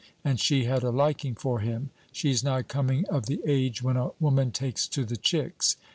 And she had a liking for him. She's nigh coming of the age when a woman takes to the chicks.